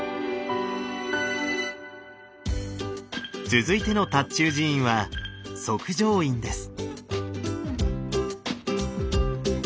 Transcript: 続いての塔頭寺院は即成院です。